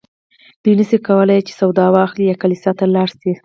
دوی نه شوای کولی چې سودا واخلي یا کلیسا ته لاړ شي.